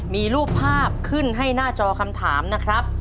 มีรูปภาพขึ้นให้หน้าจอคำถามนะครับ